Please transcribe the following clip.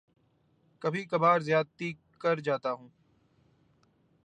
کبھی کبھار زیادتی کر جاتا ہوں